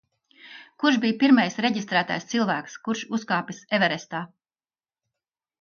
Kurš bija pirmais reģistrētais cilvēks, kurs uzkāpis Everestā.